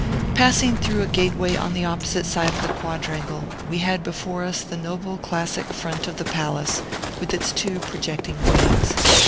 ] Passing through a gateway on the opposite side of the quadrangle, we had before us the noble classic front of the palace, with its two projecting wings.